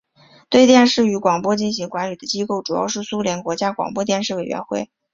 对电视与广播进行管理的机构主要是苏联国家广播电视委员会。